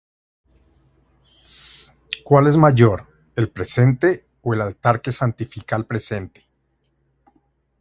¿cuál es mayor, el presente, ó el altar que santifica al presente?